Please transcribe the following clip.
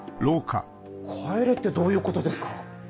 帰れってどういうことですか？